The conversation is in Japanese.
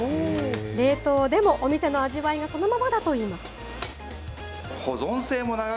冷凍でもお店の味わいがそのままだといいます。